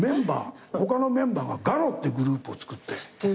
他のメンバーがガロってグループをつくって。